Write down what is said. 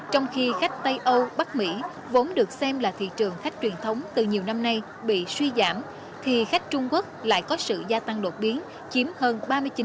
trong khi khách tây âu bắc mỹ vốn được xem là thị trường khách truyền thống từ nhiều năm nay bị suy giảm thì khách trung quốc lại có sự gia tăng đột biến chiếm hơn ba mươi chín